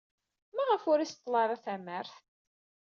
Maɣef ur iseḍḍel ara tamart?